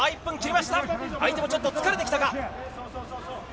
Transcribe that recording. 相手もちょっと疲れてきたか。